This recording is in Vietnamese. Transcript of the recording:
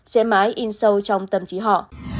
sẽ mãi in sâu trong tâm trí họ